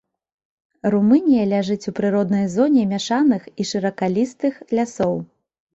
Румынія ляжыць у прыроднай зоне мяшаных і шыракалістых лясоў.